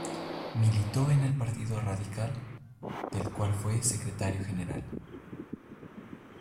Militó en el Partido Radical, del cual fue secretario general.